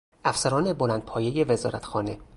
افسران بلندپایهی وزارتخانه